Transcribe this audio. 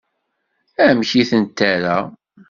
Amek i tent-terra?